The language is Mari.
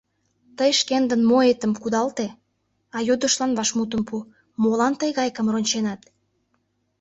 — Тый шкендын «моэтым» кудалте, а йодышлан вашмутым пу: молан тый гайкым ронченат?